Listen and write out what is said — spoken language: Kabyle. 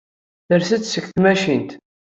Ters-d seg tmacint.